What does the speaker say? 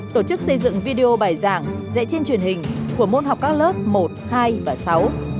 tổ chức xây dựng video bài giảng dạy trên truyền hình của môn học các lớp một hai và sáu